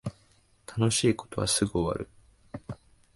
楽しい事はすぐに終わる